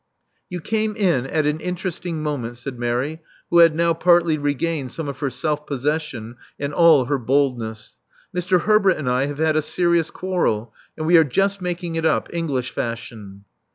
*' You came in at an interesting moment, said Mary, who had now partly regained some of her self nossession, and all her boldness. Mr. Herbert and I have had a serious quarrel; and we are just making it up, English fashion.